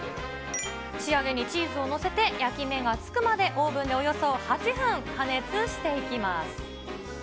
仕上げにチーズを載せて、焼き目が付くまでオーブンでおよそ８分加熱していきます。